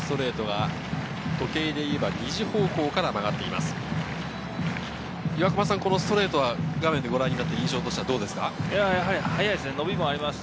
時計でいえば２時方向から曲がっています。